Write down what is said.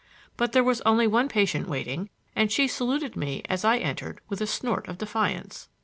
But there was only one patient waiting, and she saluted me as I entered with a snort of defiance.